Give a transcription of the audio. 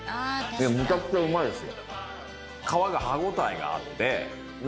むちゃくちゃうまいですよ。